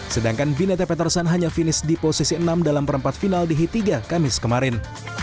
sedangkan vinete peterson hanya finish di posisi enam dalam perempat final di h tiga kamis kemarin